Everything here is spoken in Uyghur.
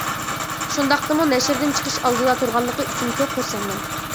شۇنداقتىمۇ نەشردىن چىقىش ئالدىدا تۇرغانلىقى ئۈچۈن كۆپ خۇرسەنمەن.